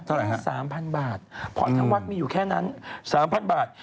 เท่าไหร่ครับบาทพอทั้งวาดมีอยู่แค่นั้น๓๐๐๐บาท